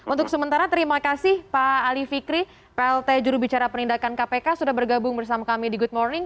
untuk sementara terima kasih pak ali fikri plt jurubicara penindakan kpk sudah bergabung bersama kami di good morning